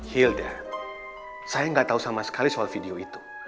hilda saya ga tau sama sekali soal video itu